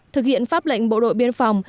thực hiện pháp lệnh bộ đội biên phòng